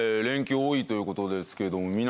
連休多いということですけれども。